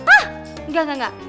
enggak enggak enggak